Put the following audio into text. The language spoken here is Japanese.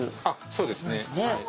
あっそうですね。